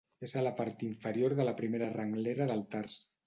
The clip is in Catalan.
És a la part inferior de la primera renglera del tars.